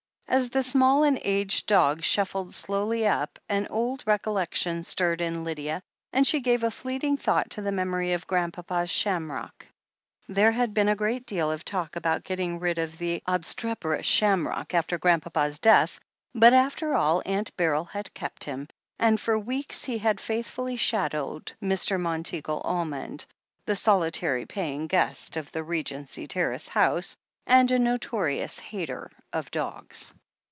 As the small and aged dog shuffled slowly up, an old recollection stirred in Lydia, and she gave a fleeting thought to the memory of Grandpapa's Shamrock. There had been a great deal of talk about getting rid of the obstreperous Shamrock after Grandpapa's death, but after all Aunt Beryl had kept him, and for weeks he had faithfully shadowed Mr. Monteagle Almond, the solitary paying guest of the Regency Terrace house, and a notorious hater of dogs.